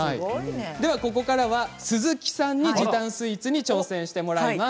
ここからは鈴木さんに、時短スイーツに挑戦してもらいます。